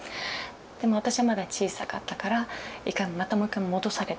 でも私はまだ小さかったからまたもう１回戻されたんですね。